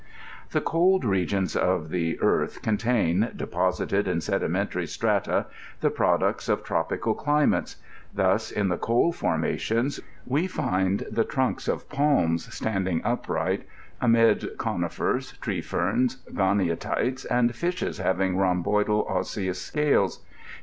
The cold regions of the earth contain, deposited in sedi mentiury strata, the products of tropical climates ; thus, in the coal formations, we ^nd the trunks of palms standing up right amid coniferso, tree ferns, goniatites, and fishes having rhomboidal osseous scales;* in.